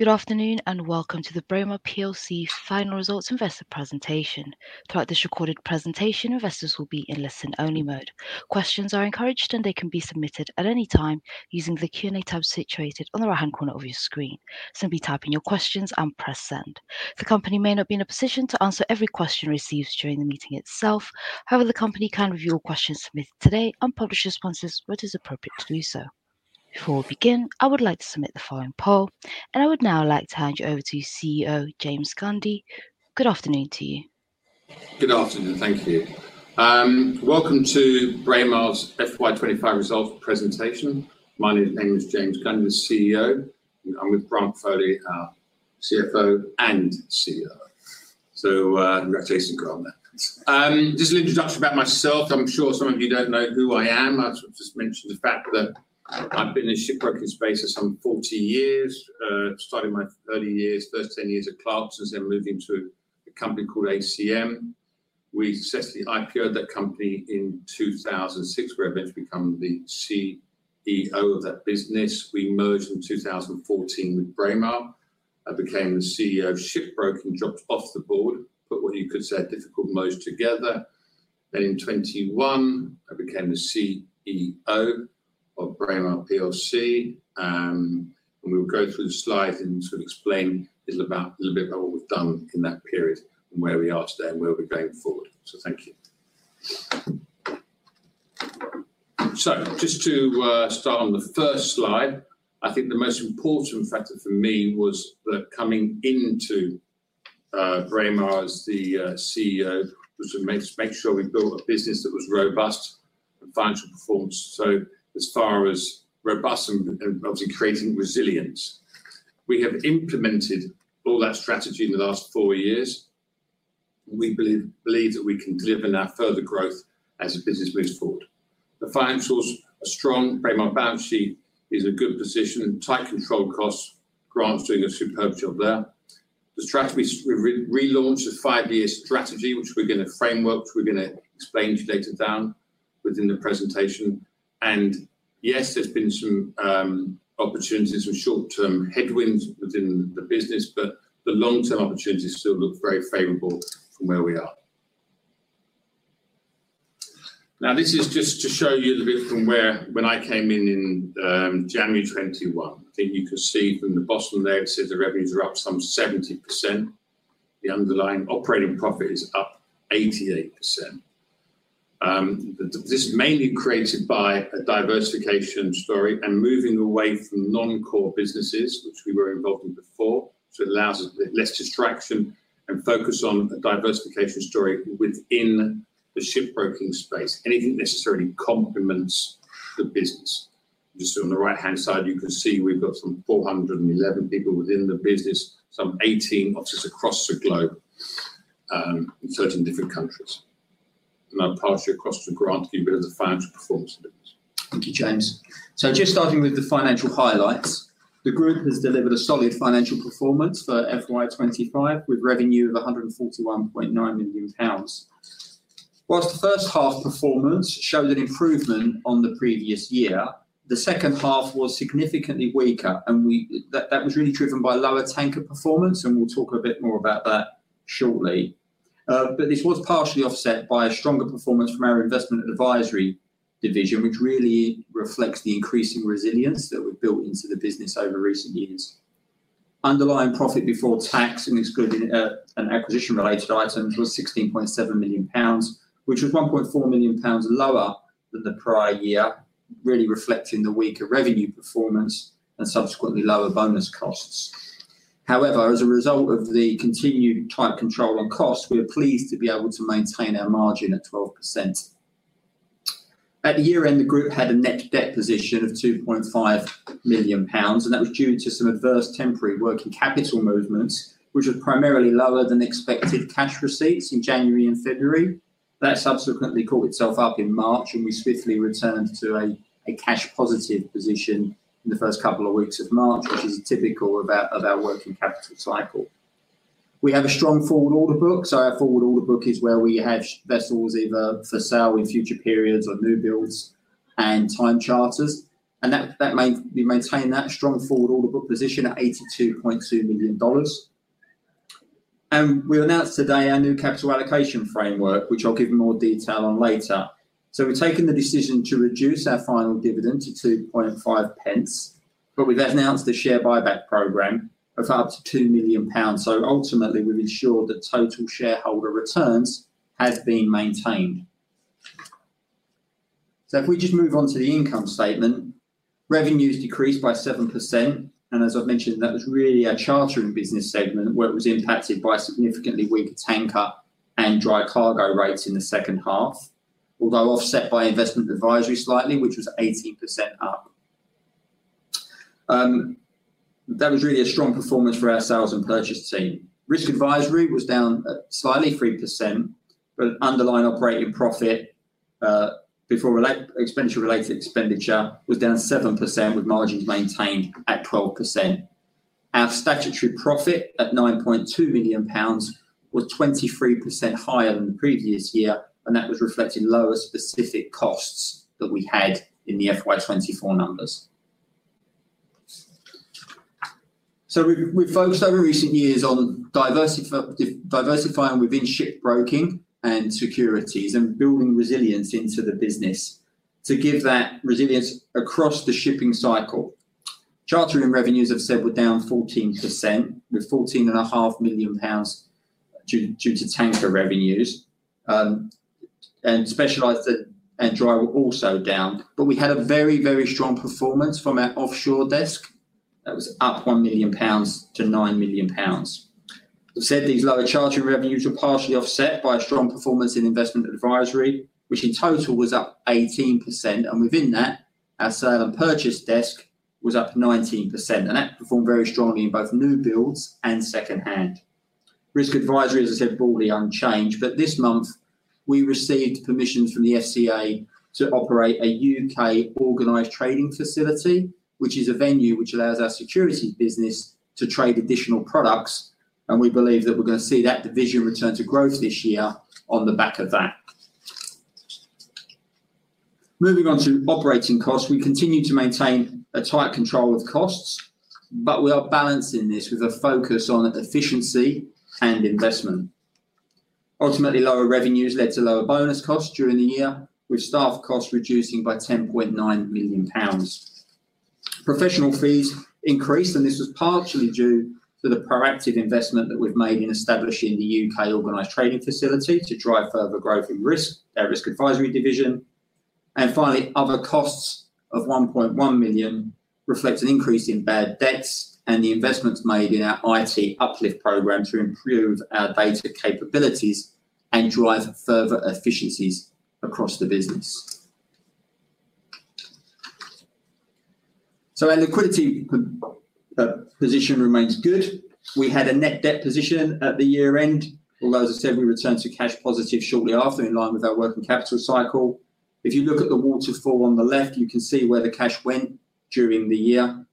Good afternoon and welcome to the Braemar final results investor presentation. Throughout this recorded presentation, investors will be in listen-only mode. Questions are encouraged, and they can be submitted at any time using the Q&A tab situated on the right-hand corner of your screen. Simply type in your questions and press send. The company may not be in a position to answer every question received during the meeting itself. However, the company can review your questions submitted today and publish responses where it is appropriate to do so. Before we begin, I would like to submit the following poll, and I would now like to hand you over to CEO James Gundy. Good afternoon to you. Good afternoon. Thank you. Welcome to Braemar's FY25 results presentation. My name is James Gundy, CEO. I'm with Grant Foley, our CFO and CEO. So congratulations on that. Just an introduction about myself. I'm sure some of you don't know who I am. I'll just mention the fact that I've been in the shipbroking space for some 40 years, starting my early years, first 10 years at Clarkson, then moved into a company called ACM. We successfully IPO'd that company in 2006, where I eventually became the CEO of that business. We merged in 2014 with Braemar. I became the CEO of Shipbroking, dropped off the board, put what you could say are difficult modes together. In 2021, I became the CEO of Braemar, and we'll go through the slides and sort of explain a little bit about what we've done in that period and where we are today and where we're going forward. Thank you. Just to start on the first slide, I think the most important factor for me was that coming into Braemar as the CEO was to make sure we built a business that was robust in financial performance. As far as robust and obviously creating resilience, we have implemented all that strategy in the last four years. We believe that we can deliver now further growth as the business moves forward. The financials are strong. Braemar balance sheet is in a good position, tight control costs, Grant's doing a superb job there. The strategy we've relaunched is a five-year strategy, which we're going to framework, which we're going to explain to you later down within the presentation. Yes, there's been some opportunities, some short-term headwinds within the business, but the long-term opportunities still look very favorable from where we are. Now, this is just to show you a little bit from where when I came in in January 2021. I think you can see from the bottom there, it says the revenues are up some 70%. The underlying operating profit is up 88%. This is mainly created by a diversification story and moving away from non-core businesses, which we were involved in before. It allows us less distraction and focus on a diversification story within the shipbroking space. Anything necessarily complements the business. Just on the right-hand side, you can see we've got some 411 people within the business, some 18 offices across the globe, in 13 different countries. I'll pass you across to Grant to give you a bit of the financial performance of the business. Thank you, James. Just starting with the financial highlights, the group has delivered a solid financial performance for FY2025 with revenue of GBP £141.9 million. Whilst the first half performance showed an improvement on the previous year, the second half was significantly weaker, and that was really driven by lower tanker performance, and we'll talk a bit more about that shortly. This was partially offset by a stronger performance from our investment advisory division, which really reflects the increasing resilience that we've built into the business over recent years. Underlying profit before tax and excluding acquisition-related items was GBP £16.7 million, which was GBP £1.4 million lower than the prior year, really reflecting the weaker revenue performance and subsequently lower bonus costs. However, as a result of the continued tight control on costs, we're pleased to be able to maintain our margin at 12%. At year-end, the group had a net debt position of GBP £2.5 million, and that was due to some adverse temporary working capital movements, which was primarily lower than expected cash receipts in January and February. That subsequently caught itself up in March, and we swiftly returned to a cash-positive position in the first couple of weeks of March, which is typical of our working capital cycle. We have a strong forward order book. Our forward order book is where we have vessels either for sale in future periods or new builds and time charters. That may maintain that strong forward order book position at $82.2 million. We announced today our new capital allocation framework, which I'll give you more detail on later. We have taken the decision to reduce our final dividend to £2.5, but we have announced a share buyback program of up to GBP £2 million. Ultimately, we've ensured that total shareholder returns have been maintained. If we just move on to the income statement, revenues decreased by 7%. As I've mentioned, that was really a chartering business segment where it was impacted by significantly weaker tanker and dry cargo rates in the second half, although offset by investment advisory slightly, which was 18% up. That was really a strong performance for our sales and purchase team. Risk advisory was down slightly, 3%, but underlying operating profit before expenditure-related expenditure was down 7%, with margins maintained at 12%. Our statutory profit at GBP £9.2 million was 23% higher than the previous year, and that was reflecting lower specific costs that we had in the FY2024 numbers. We've focused over recent years on diversifying within shipbroking and securities and building resilience into the business to give that resilience across the shipping cycle. Chartering revenues, I've said, were down 14%, with 14.5 million pounds due to tanker revenues. Specialized and dry were also down, but we had a very, very strong performance from our offshore desk that was up GBP £1 million to GBP £9 million. I've said these lower chartering revenues were partially offset by a strong performance in investment advisory, which in total was up 18%. Within that, our sale and purchase desk was up 19%. That performed very strongly in both new builds and second-hand. Risk advisory, as I said, broadly unchanged, but this month we received permissions from the FCA to operate a U.K. organized trading facility, which is a venue which allows our securities business to trade additional products. We believe that we're going to see that division return to growth this year on the back of that. Moving on to operating costs, we continue to maintain a tight control of costs, but we are balancing this with a focus on efficiency and investment. Ultimately, lower revenues led to lower bonus costs during the year, with staff costs reducing by GBP £10.9 million. Professional fees increased, and this was partially due to the proactive investment that we've made in establishing the U.K. organized trading facility to drive further growth in risk, our risk advisory division. Finally, other costs of GBP £1.1 million reflect an increase in bad debts and the investments made in our IT uplift program to improve our data capabilities and drive further efficiencies across the business. Our liquidity position remains good. We had a net debt position at the year-end, although, as I said, we returned to cash positive shortly after in line with our working capital cycle. If you look at the waterfall on the left, you can see where the cash went during the year.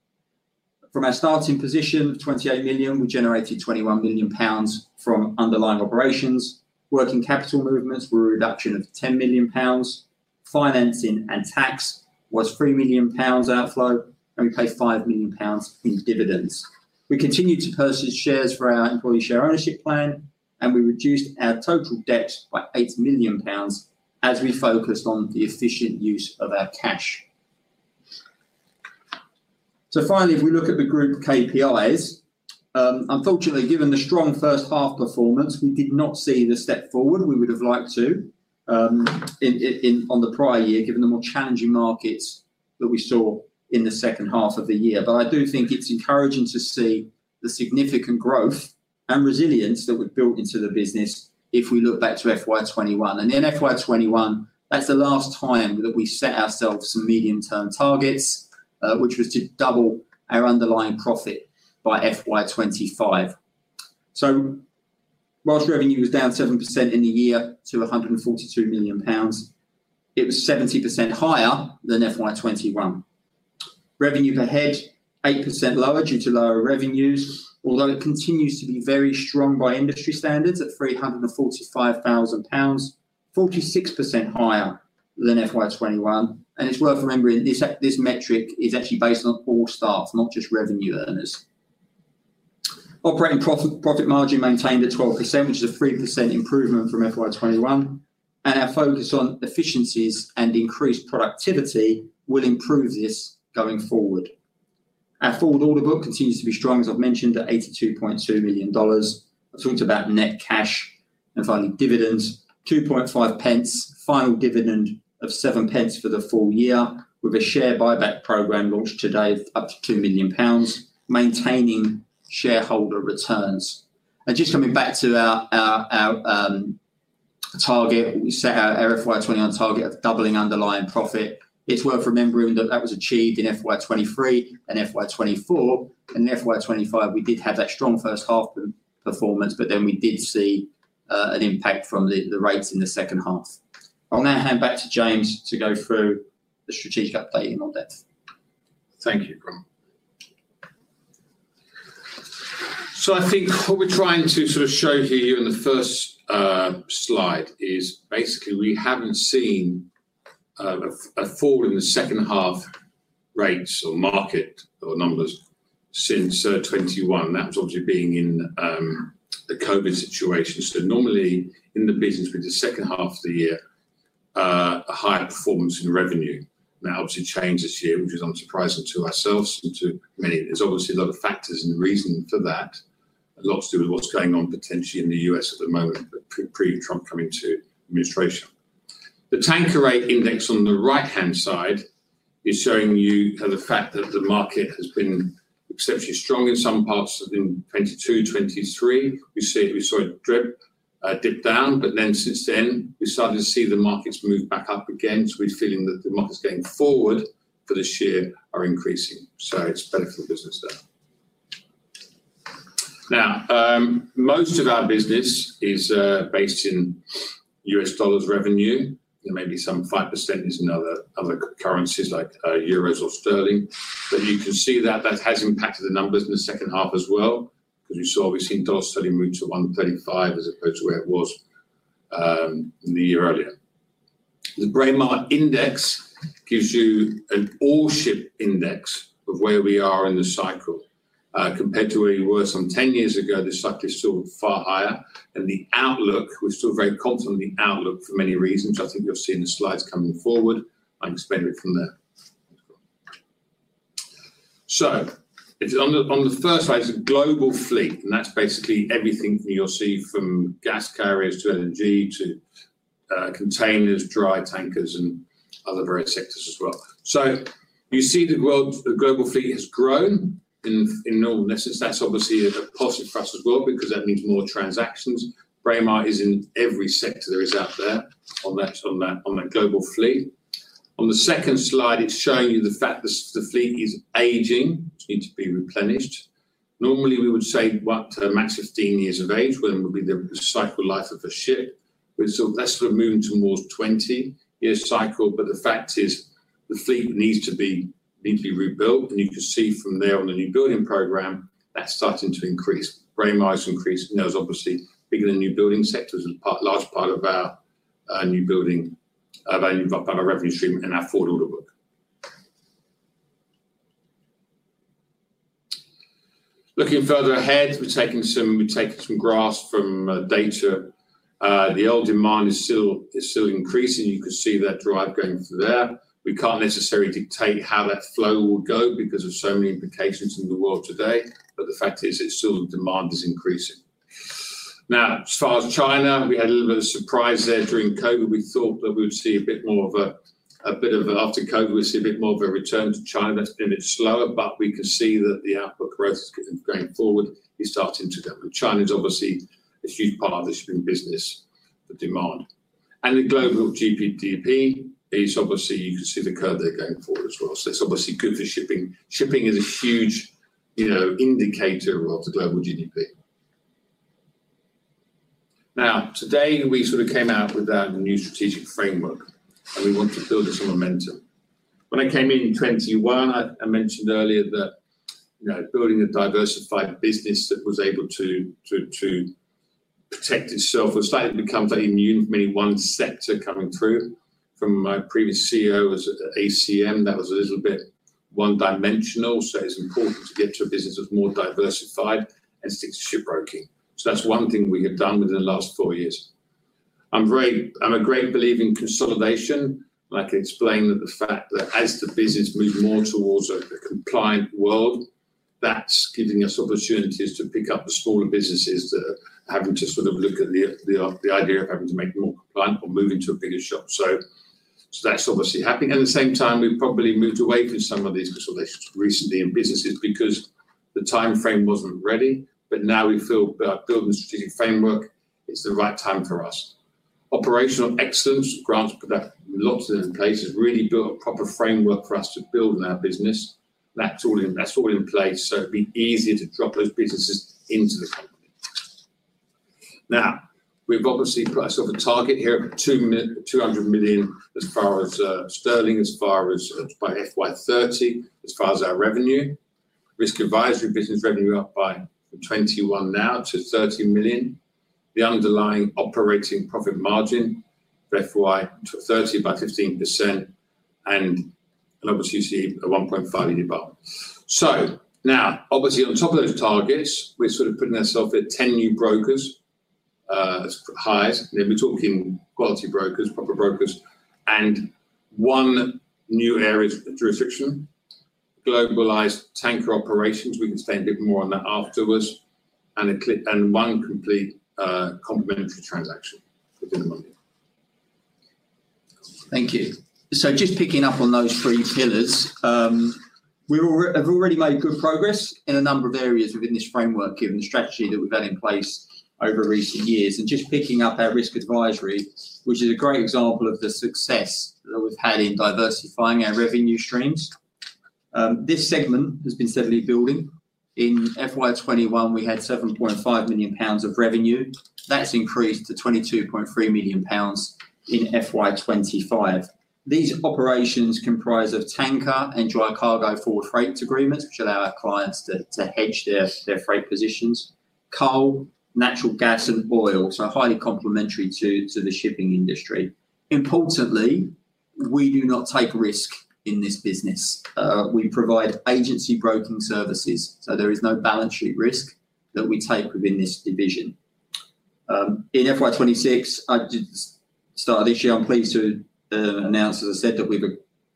From our starting position of GBP £28 million, we generated GBP £21 million from underlying operations. Working capital movements were a reduction of GBP £10 million. Financing and tax was GBP £3 million outflow, and we paid GBP £5 million in dividends. We continued to purchase shares for our employee share ownership plan, and we reduced our total debt by GBP £8 million as we focused on the efficient use of our cash. If we look at the group KPIs, unfortunately, given the strong first half performance, we did not see the step forward we would have liked to on the prior year, given the more challenging markets that we saw in the second half of the year. I do think it's encouraging to see the significant growth and resilience that we've built into the business if we look back to FY2021. In FY2021, that's the last time that we set ourselves some medium-term targets, which was to double our underlying profit by FY2025. Whilst revenue was down 7% in the year to GBP £142 million, it was 70% higher than FY2021. Revenue per head 8% lower due to lower revenues, although it continues to be very strong by industry standards at 345,000 pounds, 46% higher than FY2021. It's worth remembering this metric is actually based on all staff, not just revenue earners. Operating profit margin maintained at 12%, which is a 3% improvement from FY2021. Our focus on efficiencies and increased productivity will improve this going forward. Our forward order book continues to be strong, as I've mentioned, at $82.2 million. I've talked about net cash and finally dividends. GBP £2.5 million, final dividend of GBP £0.07 for the full year with a share buyback program launched today of up to GBP £2 million, maintaining shareholder returns. Just coming back to our target, we set our FY2021 target of doubling underlying profit. It's worth remembering that that was achieved in FY2023 and FY2024. In FY2025, we did have that strong first half performance, but then we did see an impact from the rates in the second half. I'll now hand back to James to go through the strategic updating on that. Thank you, Grant. I think what we're trying to sort of show here in the first slide is basically we haven't seen a fall in the second half rates or market or numbers since 2021. That was obviously being in the COVID situation. Normally in the business, we did second half of the year, a higher performance in revenue. That obviously changed this year, which is unsurprising to ourselves and to many. There's obviously a lot of factors and reason for that. A lot to do with what's going on potentially in the U.S. at the moment, but pre-Trump coming to administration. The tanker rate index on the right-hand side is showing you the fact that the market has been exceptionally strong in some parts in 2022, 2023. We saw a dip down, but then since then, we started to see the markets move back up again. We're feeling that the markets going forward for this year are increasing. It's beneficial business there. Now, most of our business is based in $ revenue. There may be some 5% in other currencies like euros or sterling. You can see that that has impacted the numbers in the second half as well, because we've seen dollar sterling move to 1.35 as opposed to where it was the year earlier. The Braemar index gives you an all-ship index of where we are in the cycle. Compared to where we were some 10 years ago, this cycle is still far higher. The outlook, we're still very confident in the outlook for many reasons. I think you'll see in the slides coming forward. I'll explain it from there. On the first slide, it's a global fleet, and that's basically everything you'll see from gas carriers to energy to containers, dry tankers, and other various sectors as well. You see the global fleet has grown in normalness. That's obviously a positive for us as well, because that means more transactions. Braemar is in every sector there is out there on that global fleet. On the second slide, it's showing you the fact that the fleet is aging, needs to be replenished. Normally, we would say what, max 15 years of age would be the cycle life of a ship. That's sort of moving towards 20-year cycle, but the fact is the fleet needs to be rebuilt. You can see from there on the new building program, that's starting to increase. Braemar has increased, and that was obviously bigger than new building sectors, a large part of our new building, of our revenue stream and our forward order book. Looking further ahead, we're taking some graphs from data. The old demand is still increasing. You can see that drive going through there. We can't necessarily dictate how that flow will go because of so many implications in the world today, but the fact is it's still demand is increasing. Now, as far as China, we had a little bit of surprise there during COVID. We thought that we would see a bit more of a bit of after COVID, we'd see a bit more of a return to China. That's been a bit slower, but we can see that the output growth is going forward. It's starting to go. China is obviously a huge part of the shipping business, the demand. The global GDP is obviously, you can see the curve there going forward as well. It is obviously good for shipping. Shipping is a huge indicator of the global GDP. Today we sort of came out with our new strategic framework, and we want to build on some momentum. When I came in in 2021, I mentioned earlier that building a diversified business that was able to protect itself was starting to become very immune from any one sector coming through. My previous CEO was ACM, that was a little bit one-dimensional. It is important to get to a business that is more diversified and sticks to shipbroking. That is one thing we have done within the last four years. I am a great believer in consolidation. Like I explained, the fact that as the business moves more towards a compliant world, that's giving us opportunities to pick up the smaller businesses that are having to sort of look at the idea of having to make them more compliant or move into a bigger shop. That's obviously happening. At the same time, we've probably moved away from some of these consolidations recently in businesses because the timeframe wasn't ready. Now we feel building the strategic framework is the right time for us. Operational excellence, Grant's put that, lots of it in place, has really built a proper framework for us to build in our business. That's all in place, so it'd be easier to drop those businesses into the company. Now, we've obviously put ourselves a target here of 200 million as far as sterling, as far as by FY2030, as far as our revenue. Risk advisory business revenue up by 21 now to 30 million. The underlying operating profit margin for FY 2030 by 15%. Obviously, you see a 1.5 year bar. Now, obviously, on top of those targets, we're sort of putting ourselves at 10 new brokers highs. We're talking quality brokers, proper brokers, and one new area of jurisdiction, globalized tanker operations. We can explain a bit more on that afterwards. One complete complementary transaction within a month. Thank you. Just picking up on those three pillars, we've already made good progress in a number of areas within this framework, given the strategy that we've had in place over recent years. Just picking up our risk advisory, which is a great example of the success that we've had in diversifying our revenue streams. This segment has been steadily building. In FY2021, we had GBP £7.5 million of revenue. That has increased to GBP £22.3 million in FY2025. These operations comprise tanker and dry cargo forward freight agreements, which allow our clients to hedge their freight positions, coal, natural gas, and oil. Highly complementary to the shipping industry. Importantly, we do not take risk in this business. We provide agency broking services, so there is no balance sheet risk that we take within this division. In FY2026, I did start this year. I'm pleased to announce, as I said, that we've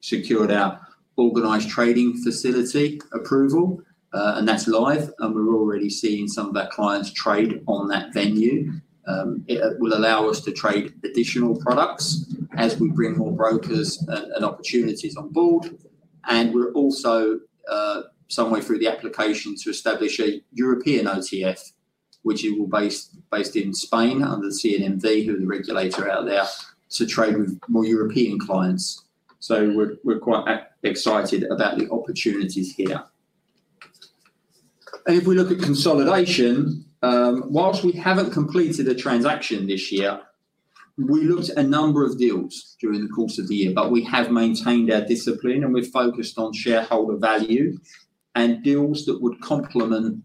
secured our organized trading facility approval, and that's live. We're already seeing some of our clients trade on that venue. It will allow us to trade additional products as we bring more brokers and opportunities on board. We're also somewhere through the application to establish a European OTF, which will be based in Spain under the CNMV, who are the regulator out there, to trade with more European clients. We're quite excited about the opportunities here. If we look at consolidation, whilst we haven't completed a transaction this year, we looked at a number of deals during the course of the year, but we have maintained our discipline, and we've focused on shareholder value and deals that would complement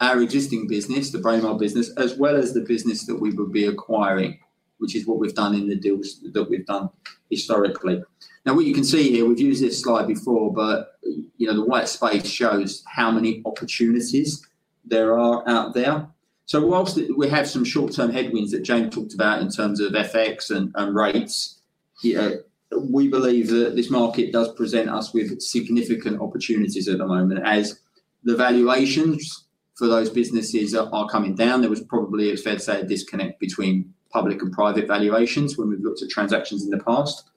our existing business, the Braemar business, as well as the business that we would be acquiring, which is what we've done in the deals that we've done historically. What you can see here, we've used this slide before, but the white space shows how many opportunities there are out there. Whilst we have some short-term headwinds that James talked about in terms of FX and rates, we believe that this market does present us with significant opportunities at the moment as the valuations for those businesses are coming down. There was probably, it's fair to say, a disconnect between public and private valuations when we've looked at transactions in the past.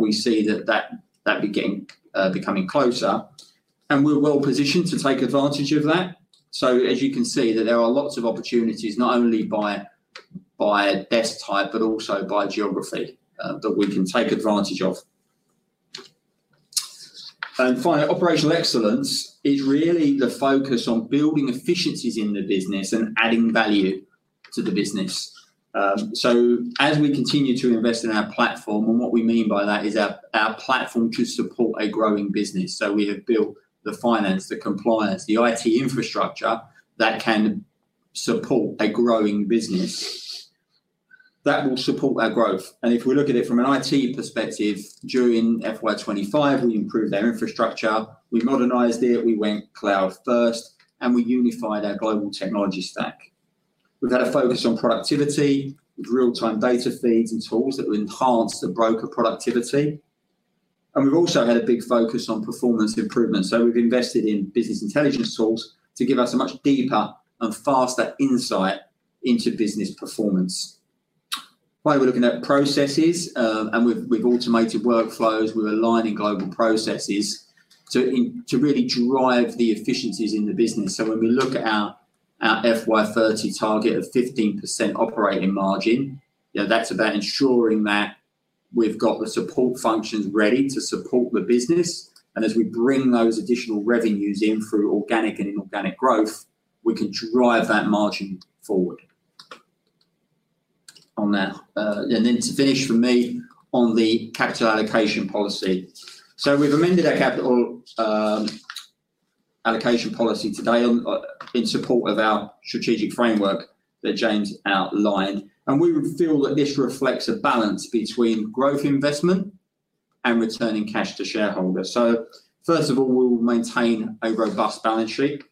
We see that that'd be becoming closer, and we're well positioned to take advantage of that. As you can see, there are lots of opportunities, not only by desk type, but also by geography that we can take advantage of. Finally, operational excellence is really the focus on building efficiencies in the business and adding value to the business. As we continue to invest in our platform, and what we mean by that is our platform to support a growing business. We have built the finance, the compliance, the IT infrastructure that can support a growing business that will support our growth. If we look at it from an IT perspective, during FY2025, we improved our infrastructure. We modernized it. We went cloud first, and we unified our global technology stack. We've had a focus on productivity with real-time data feeds and tools that will enhance the broker productivity. We've also had a big focus on performance improvement. We've invested in business intelligence tools to give us a much deeper and faster insight into business performance. While we're looking at processes and we've automated workflows, we're aligning global processes to really drive the efficiencies in the business. When we look at our FY2030 target of 15% operating margin, that's about ensuring that we've got the support functions ready to support the business. As we bring those additional revenues in through organic and inorganic growth, we can drive that margin forward. To finish for me on the capital allocation policy. We have amended our capital allocation policy today in support of our strategic framework that James outlined. We feel that this reflects a balance between growth investment and returning cash to shareholders. First of all, we will maintain a robust balance sheet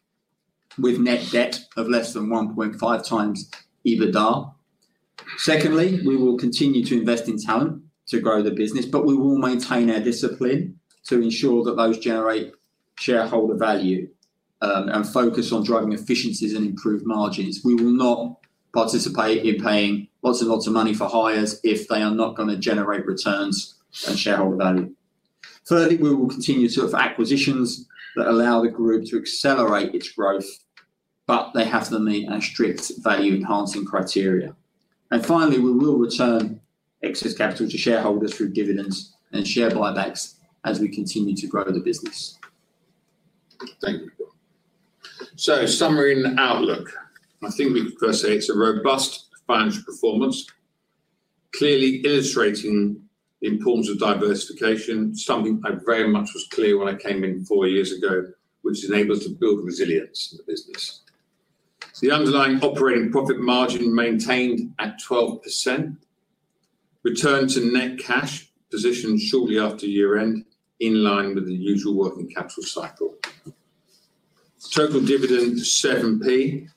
with net debt of less than 1.5 times EBITDA. Secondly, we will continue to invest in talent to grow the business, but we will maintain our discipline to ensure that those generate shareholder value and focus on driving efficiencies and improved margins. We will not participate in paying lots and lots of money for hires if they are not going to generate returns and shareholder value. Thirdly, we will continue to have acquisitions that allow the group to accelerate its growth, but they have to meet our strict value enhancing criteria. We will return excess capital to shareholders through dividends and share buybacks as we continue to grow the business. Thank you. Summary and outlook. I think we can first say it is a robust financial performance, clearly illustrating the importance of diversification, something I very much was clear when I came in four years ago, which enables us to build resilience in the business. The underlying operating profit margin maintained at 12%, return to net cash position shortly after year-end, in line with the usual working capital cycle. Total dividend GBP £0.07, GBP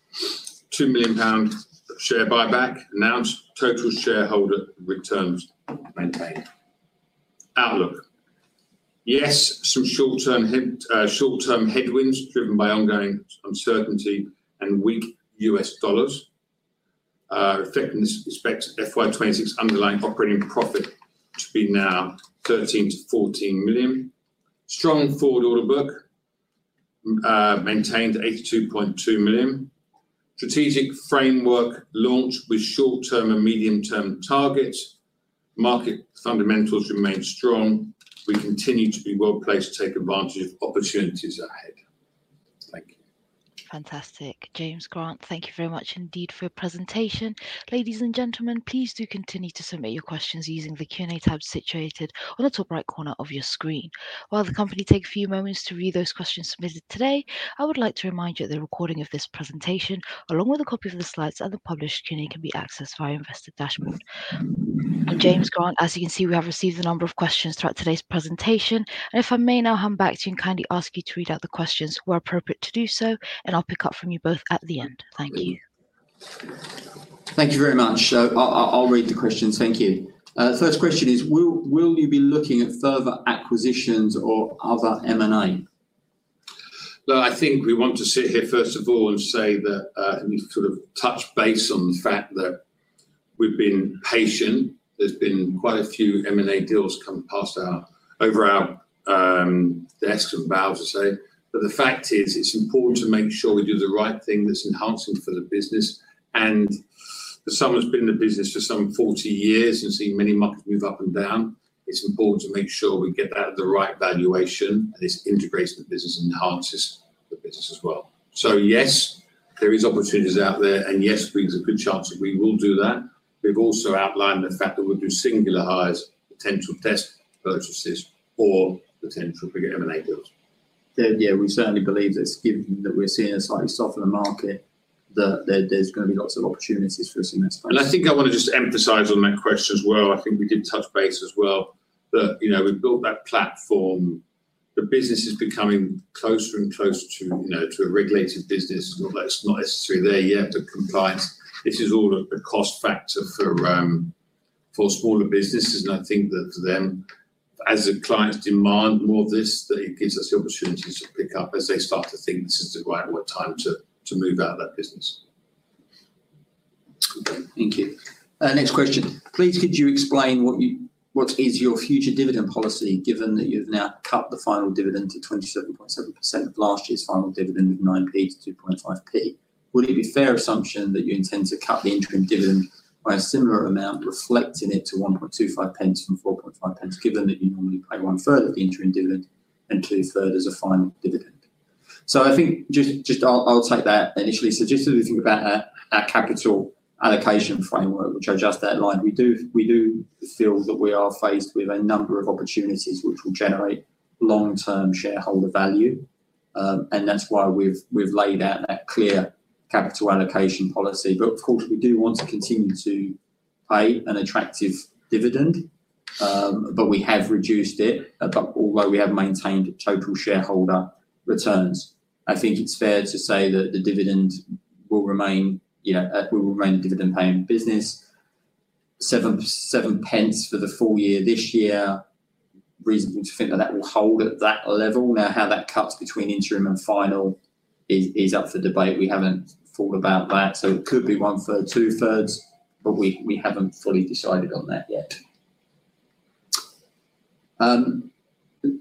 £2 million share buyback announced, total shareholder returns maintained. Outlook. Yes, some short-term headwinds driven by ongoing uncertainty and weak US dollars. Fiscal year 2026 underlying operating profit to be now 13-14 million. Strong forward order book maintained at 82.2 million. Strategic framework launch with short-term and medium-term targets. Market fundamentals remain strong. We continue to be well placed to take advantage of opportunities ahead. Thank you. Fantastic. James, Grant, thank you very much indeed for your presentation. Ladies and gentlemen, please do continue to submit your questions using the Q&A tab situated on the top right corner of your screen. While the company takes a few moments to read those questions submitted today, I would like to remind you that the recording of this presentation, along with a copy of the slides and the published Q&A, can be accessed via Investor Dashboard. James, Grant, as you can see, we have received a number of questions throughout today's presentation. If I may now come back to you and kindly ask you to read out the questions where appropriate to do so, and I'll pick up from you both at the end. Thank you. Thank you very much. I'll read the questions. Thank you. First question is, will you be looking at further acquisitions or other M&A? I think we want to sit here first of all and say that we sort of touch base on the fact that we've been patient. There's been quite a few M&A deals come past over our desks and vows, I say. The fact is it's important to make sure we do the right thing that's enhancing for the business. For someone who's been in the business for some 40 years and seen many markets move up and down, it's important to make sure we get that at the right valuation and it's integrated in the business and enhances the business as well. Yes, there are opportunities out there, and yes, we have a good chance that we will do that. We've also outlined the fact that we'll do singular hires, potential test purchases, or potential bigger M&A deals. Yeah, we certainly believe that given that we're seeing a slightly softer market, that there's going to be lots of opportunities for us in this. I think I want to just emphasize on that question as well. I think we did touch base as well that we've built that platform. The business is becoming closer and closer to a regulated business. It's not necessarily there yet, but compliance, this is all a cost factor for smaller businesses. I think that for them, as the clients demand more of this, that it gives us the opportunities to pick up as they start to think this is the right time to move out of that business. Thank you. Next question. Please, could you explain what is your future dividend policy, given that you've now cut the final dividend to 27.7% of last year's final dividend of GBP £0.09 to GBP £0.025? Would it be a fair assumption that you intend to cut the interim dividend by a similar amount, reflecting it to GBP £0.0125 from GBP £0.045, given that you normally pay one third of the interim dividend and two thirds as a final dividend? I think just I'll take that initially. Just as we think about our capital allocation framework, which I just outlined, we do feel that we are faced with a number of opportunities which will generate long-term shareholder value. That's why we've laid out that clear capital allocation policy. Of course, we do want to continue to pay an attractive dividend, but we have reduced it, although we have maintained total shareholder returns. I think it's fair to say that the dividend will remain, we will remain a dividend-paying business. £7 for the full year this year, reasonable to think that that will hold at that level. Now, how that cuts between interim and final is up for debate. We haven't thought about that. It could be one third, two thirds, but we haven't fully decided on that yet.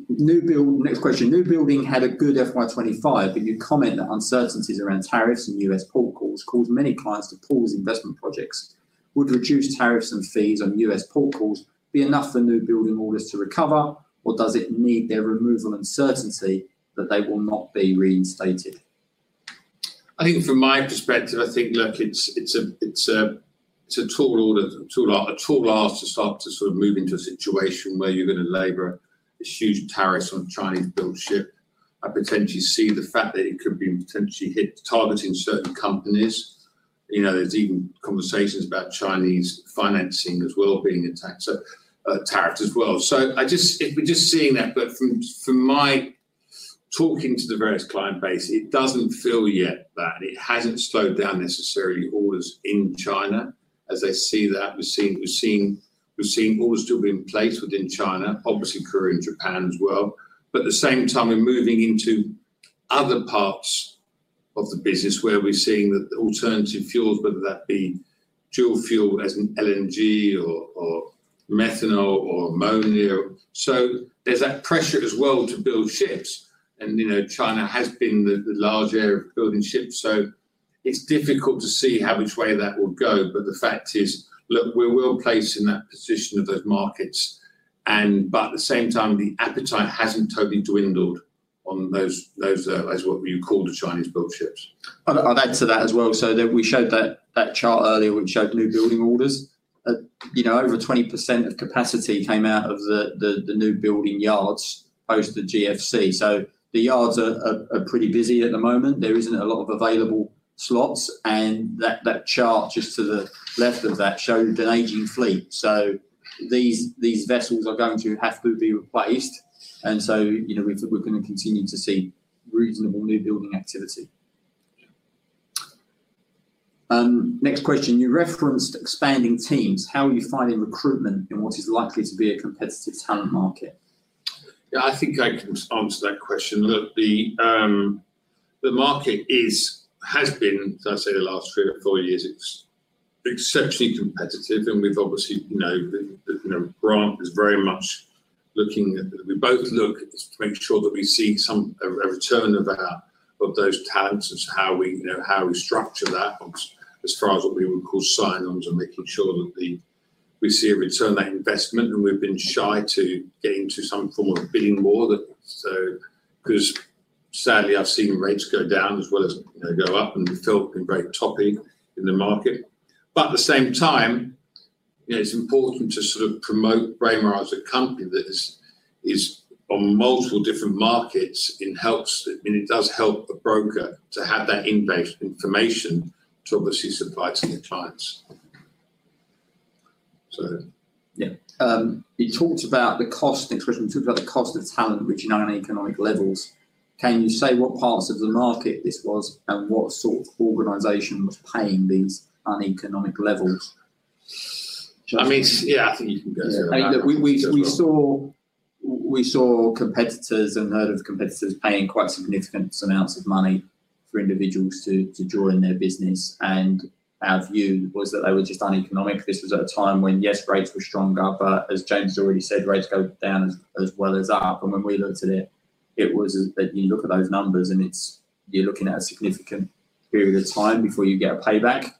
Next question. New building had a good FY2025, but you comment that uncertainties around tariffs and U.S. port calls caused many clients to pause investment projects. Would reduced tariffs and fees on U.S. port calls be enough for new building orders to recover, or does it need their removal and certainty that they will not be reinstated? I think from my perspective, I think, look, it's a tall ask to start to sort of move into a situation where you're going to labor a huge tariff on a Chinese-built ship and potentially see the fact that it could be potentially hit targeting certain companies. There's even conversations about Chinese financing as well being attacked as well. If we're just seeing that, but from my talking to the various client base, it doesn't feel yet that it hasn't slowed down necessarily orders in China as they see that. We've seen orders still being placed within China, obviously Korea and Japan as well. At the same time, we're moving into other parts of the business where we're seeing that the alternative fuels, whether that be dual fuel as an LNG or methanol or ammonia. There's that pressure as well to build ships. China has been the large area of building ships. It is difficult to see which way that will go. The fact is, look, we are well placed in that position of those markets. At the same time, the appetite has not totally dwindled on those that are what you call the Chinese-built ships. I'll add to that as well. We showed that chart earlier which showed new building orders. Over 20% of capacity came out of the new building yards post the GFC. The yards are pretty busy at the moment. There is not a lot of available slots. That chart just to the left of that showed an aging fleet. These vessels are going to have to be replaced. We are going to continue to see reasonable new building activity. Next question. You referenced expanding teams. How are you finding recruitment in what is likely to be a competitive talent market? Yeah, I think I can answer that question. Look, the market has been, as I say, the last three or four years, exceptionally competitive. We have obviously, Grant is very much looking at, we both look to make sure that we see a return of those talents and how we structure that as far as what we would call sign-ons and making sure that we see a return on that investment. We have been shy to get into some form of bidding war because sadly, I have seen rates go down as well as go up and we feel very toppy in the market. At the same time, it is important to sort of promote Braemar as a company that is on multiple different markets and it does help a broker to have that in-base information to obviously supply to the clients. Yeah. You talked about the cost. Next question. We talked about the cost of talent reaching uneconomic levels. Can you say what parts of the market this was and what sort of organization was paying these uneconomic levels? I mean, yeah, I think you can go to that. We saw competitors and heard of competitors paying quite significant amounts of money for individuals to join their business. Our view was that they were just uneconomic. This was at a time when, yes, rates were stronger, but as James already said, rates go down as well as up. When we looked at it, it was that you look at those numbers and you're looking at a significant period of time before you get a payback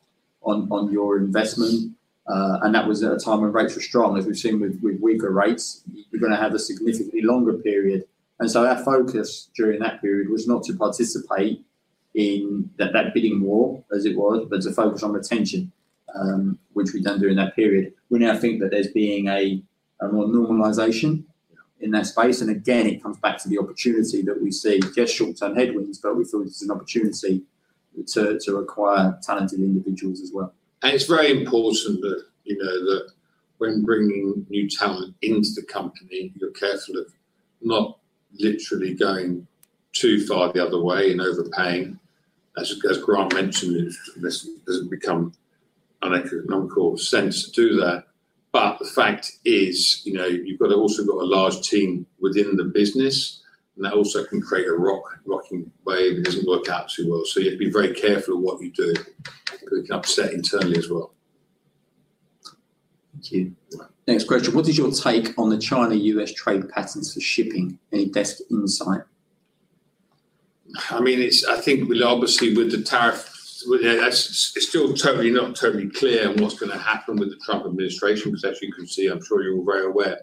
on your investment. That was at a time when rates were strong. As we've seen with weaker rates, you're going to have a significantly longer period. Our focus during that period was not to participate in that bidding war as it was, but to focus on retention, which we've done during that period. We now think that there's being a normalization in that space. It comes back to the opportunity that we see just short-term headwinds, but we feel it's an opportunity to acquire talented individuals as well. It is very important that when bringing new talent into the company, you're careful of not literally going too far the other way and overpay. As Grant mentioned, this does not become an uncalled sense to do that. The fact is you've also got a large team within the business, and that also can create a rocking wave and it does not work out too well. You have to be very careful of what you do because it can upset internally as well. Thank you. Next question. What is your take on the China-U.S. trade patterns for shipping? Any best insight? I mean, I think obviously with the tariff, it's still totally not totally clear what's going to happen with the Trump administration because as you can see, I'm sure you're very aware,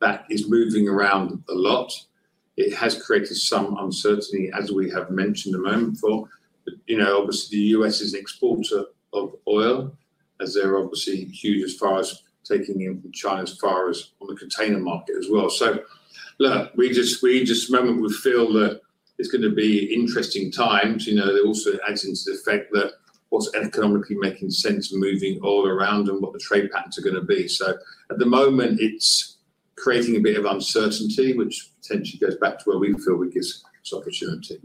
that is moving around a lot. It has created some uncertainty, as we have mentioned a moment before. Obviously, the U.S. is an exporter of oil as they're obviously huge as far as taking in from China as far as on the container market as well. Look, at the moment we feel that it's going to be interesting times. It also adds into the fact that what's economically making sense is moving all around and what the trade patterns are going to be. At the moment, it's creating a bit of uncertainty, which potentially goes back to where we feel we give some opportunity.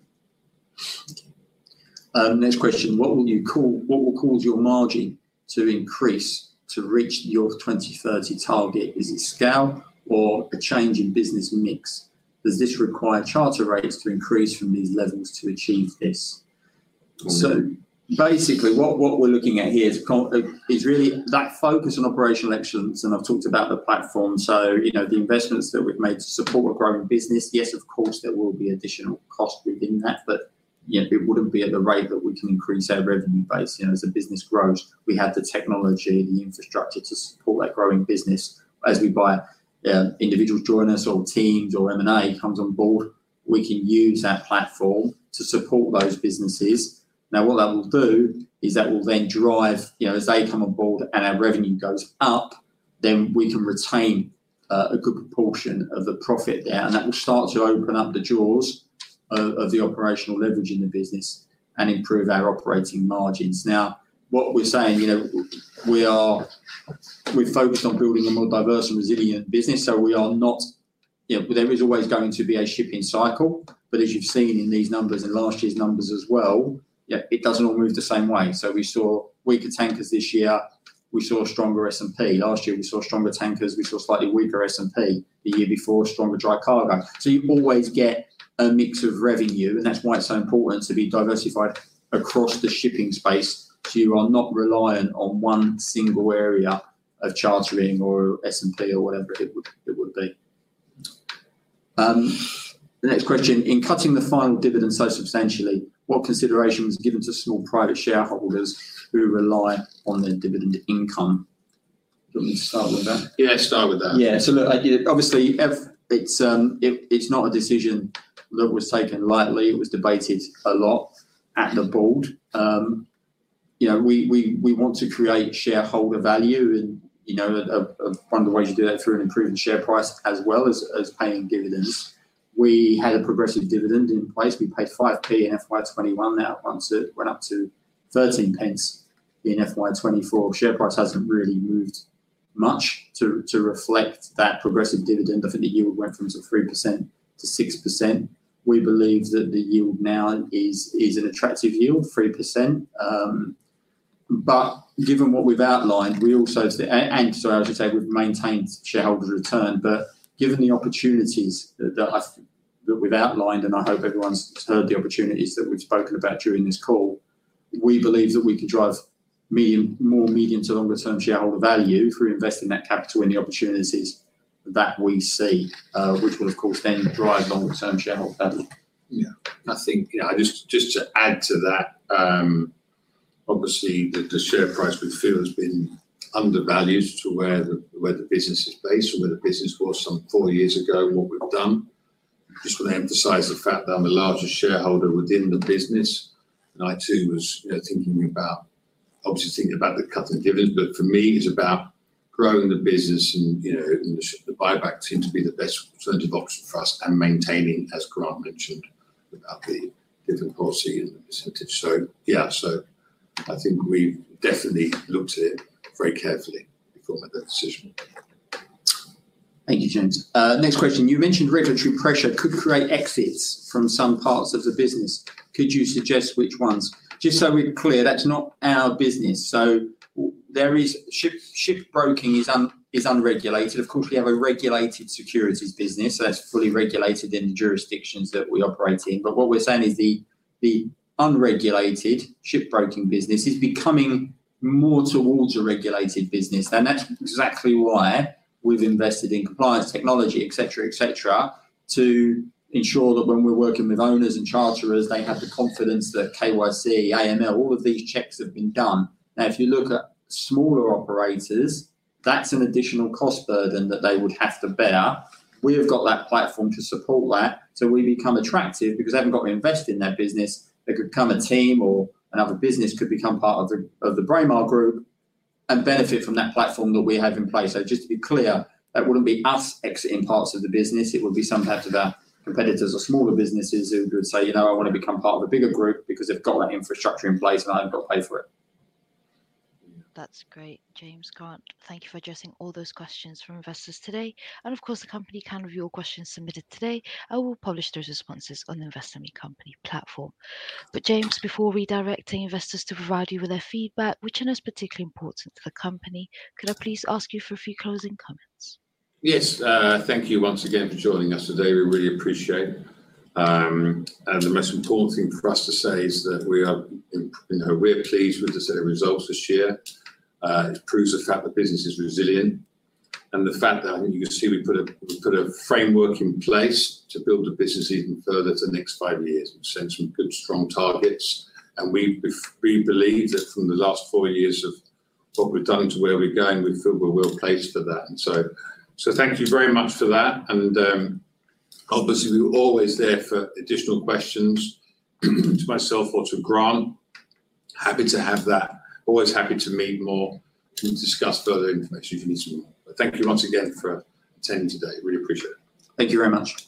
Next question. What will you call what will cause your margin to increase to reach your 2030 target? Is it scale or a change in business mix? Does this require charter rates to increase from these levels to achieve this? Basically, what we're looking at here is really that focus on operational excellence. I've talked about the platform. The investments that we've made to support a growing business, yes, of course, there will be additional cost within that, but it would not be at the rate that we can increase our revenue base as the business grows. We have the technology, the infrastructure to support that growing business. As individuals join us or teams or M&A comes on board, we can use that platform to support those businesses? Now, what that will do is that will then drive as they come on board and our revenue goes up, then we can retain a good proportion of the profit there. That will start to open up the jaws of the operational leverage in the business and improve our operating margins. Now, what we're saying, we're focused on building a more diverse and resilient business. We are not, there is always going to be a shipping cycle. As you've seen in these numbers and last year's numbers as well, it does not all move the same way. We saw weaker tankers this year. We saw a stronger S&P. Last year, we saw stronger tankers. We saw slightly weaker S&P. The year before, stronger dry cargo. You always get a mix of revenue. That is why it is so important to be diversified across the shipping space. You are not reliant on one single area of chartering or S&P or whatever it would be. The next question. In cutting the final dividend so substantially, what consideration was given to small private shareholders who rely on their dividend income? Do you want me to start with that? Yeah, start with that. Yeah. So look, obviously, it's not a decision that was taken lightly. It was debated a lot at the board. We want to create shareholder value. One of the ways you do that is through an improved share price as well as paying dividends. We had a progressive dividend in place. We paid GBP £0.05 in fiscal year 2021. Now, once it went up to GBP £0.13 in fiscal year 2024, share price hasn't really moved much to reflect that progressive dividend. I think the yield went from 3% to 6%. We believe that the yield now is an attractive yield, 3%. Given what we've outlined, we also, and so I was going to say, we've maintained shareholder return. Given the opportunities that we've outlined, and I hope everyone's heard the opportunities that we've spoken about during this call, we believe that we can drive more medium to longer-term shareholder value through investing that capital in the opportunities that we see, which will, of course, then drive longer-term shareholder value. Yeah. I think just to add to that, obviously, the share price we feel has been undervalued to where the business is based or where the business was some four years ago, what we've done. Just want to emphasize the fact that I'm the largest shareholder within the business. I too was thinking about obviously thinking about the cutting dividends. For me, it's about growing the business. The buyback seemed to be the best alternative option for us and maintaining, as Grant mentioned, the dividend policy and the %. Yeah, I think we've definitely looked at it very carefully before we made that decision. Thank you, James. Next question. You mentioned regulatory pressure could create exits from some parts of the business. Could you suggest which ones? Just so we're clear, that's not our business. Shipbroking is unregulated. Of course, we have a regulated securities business. That's fully regulated in the jurisdictions that we operate in. What we're saying is the unregulated shipbroking business is becoming more towards a regulated business. That's exactly why we've invested in compliance technology, etc., etc., to ensure that when we're working with owners and charterers, they have the confidence that KYC, AML, all of these checks have been done. Now, if you look at smaller operators, that's an additional cost burden that they would have to bear. We have got that platform to support that. We become attractive because they haven't got to invest in their business. There could come a team or another business could become part of the Braemar Group and benefit from that platform that we have in place. Just to be clear, that would not be us exiting parts of the business. It would be some parts of our competitors or smaller businesses who would say, "I want to become part of a bigger group because they've got that infrastructure in place and I have not got to pay for it. That's great. James, Grant, thank you for addressing all those questions from investors today. The company can review your questions submitted today. We'll publish those responses on the Investment Company platform. James, before redirecting investors to provide you with their feedback, which one is particularly important to the company? Could I please ask you for a few closing comments? Yes. Thank you once again for joining us today. We really appreciate it. The most important thing for us to say is that we are pleased with the results this year. It proves the fact the business is resilient. The fact that I think you can see we put a framework in place to build the business even further for the next five years. We have set some good, strong targets. We believe that from the last four years of what we have done to where we are going, we feel we are well placed for that. Thank you very much for that. Obviously, we are always there for additional questions to myself or to Grant. Happy to have that. Always happy to meet more and discuss further information if you need some more. Thank you once again for attending today. Really appreciate it. Thank you very much.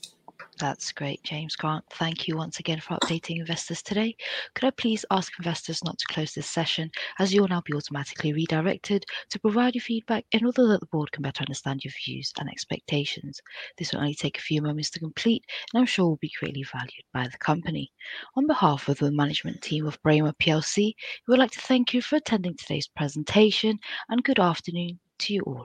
That's great. James, Grant, thank you once again for updating investors today. Could I please ask investors not to close this session as you will now be automatically redirected to provide your feedback in order that the board can better understand your views and expectations? This will only take a few moments to complete, and I'm sure will be greatly valued by the company. On behalf of the management team of Braemar, we would like to thank you for attending today's presentation. Good afternoon to you all.